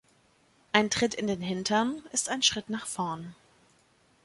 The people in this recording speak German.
Ein Tritt in den Hintern ist ein Schritt nach vorn.